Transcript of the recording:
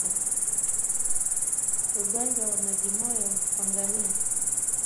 Ugonjwa wa majimoyo kwa ngamia